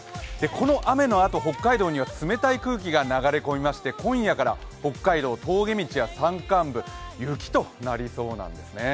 この雨のあと北海道には冷たい空気が流れ込みまして今夜から北海道、峠道や山間部、雪となりそうなんですね。